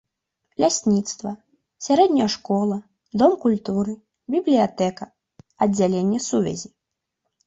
Лясніцтва, сярэдняя школа, дом культуры, бібліятэка, аддзяленне сувязі.